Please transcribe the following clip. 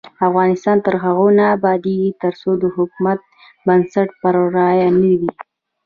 افغانستان تر هغو نه ابادیږي، ترڅو د حکومت بنسټ پر رایه نه وي.